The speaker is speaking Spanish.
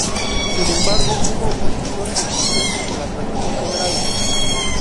Sin embargo, hubo oposición y desconfianza entre la población general.